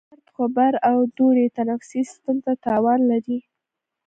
ګرد، غبار او دوړې تنفسي سیستم ته تاوان لري.